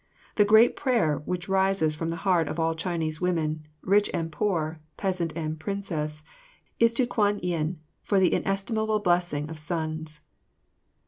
The great prayer which rises from the heart of all Chinese women, rich and poor, peasant and princess, is to Kwan yin, for the inestimable blessing of sons.